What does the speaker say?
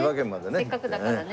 せっかくだからね。